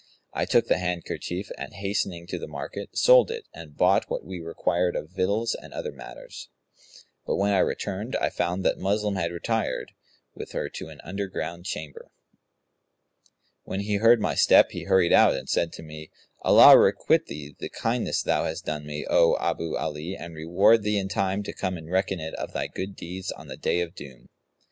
I took the handkerchief, and hastening to the market, sold it and bought what we required of victuals and other matters; but when I returned, I found that Muslim had retired, with her to an underground chamber.[FN#184] When he heard my step he hurried out and said to me, 'Allah requite thee the kindness thou hast done me, O Abu Ali and reward thee in time to come and reckon it of thy good deeds on the Day of Doom!'